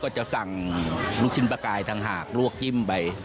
จะสั่งลูกชิ้นปลากายต่างหากลวกจิ้มไป